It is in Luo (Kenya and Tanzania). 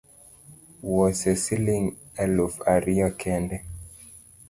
Wause siling alufu ariyo kende